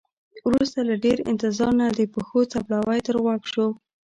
وروسته له ډیر انتظار نه د پښو څپړاوی تر غوږ شو.